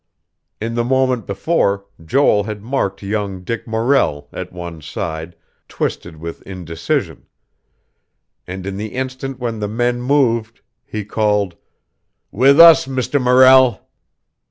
In the moment before, Joel had marked young Dick Morrell, at one side, twisted with indecision; and in the instant when the men moved, he called: "With us, Mr. Morrell."